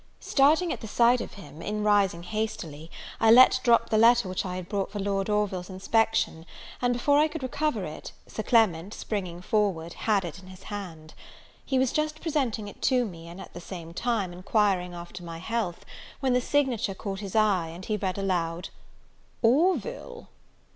Starting at the sight of him, in rising hastily, I let drop the letter which I had brought for Lord Orville's inspection, and, before I could recover it, Sir Clement, springing forward, had it in his hand. He was just presenting it to me, and, at the same time, enquiring after my health, when the signature caught his eye, and he read aloud, "Orville."